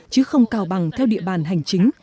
chứ không cào bằng theo địa bàn hành chính